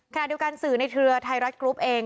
ขณะเดียวกันสื่อในเครือไทยรัฐกรุ๊ปเอง